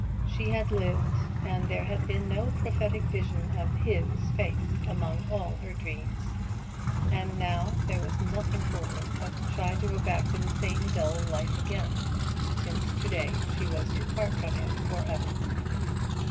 She had lived, and there had been no prophetic vision of his face among all her dreams. And now there was nothing for her but to try to go back to the same dull life again, since to day she was to part from him for ever.